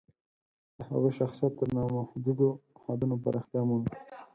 د هغه شخصیت تر نامحدودو حدونو پراختیا مومي.